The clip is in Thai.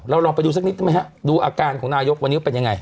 เราลองไปดูสักนิดนะครับดูอาการของนายกวันนี้เป็นยังไง